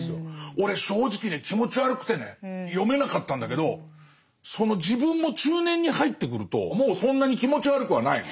俺正直ね気持ち悪くてね読めなかったんだけどその自分も中年に入ってくるともうそんなに気持ち悪くはないの。